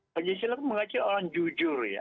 pancasila itu mengajak orang jujur ya